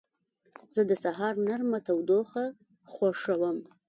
زه د سهار نرمه تودوخه خوښوم.